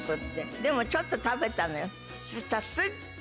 でもちょっと食べたのよそしたら。